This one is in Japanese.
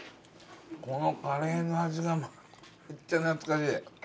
このカレーの味がめっちゃ懐かしい。